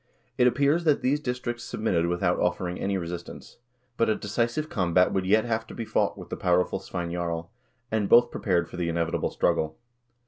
It appears that these districts submitted without offering any resistance; but a decisive combat would yet have to be fought with the powerful Svein Jarl, and both pre pared for the inevitable struggle.